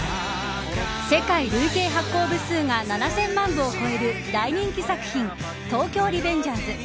世界累計発行部数が７０００万部を超える大人気作品東京リベンジャーズ